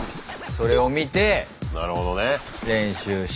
それを見て練習して。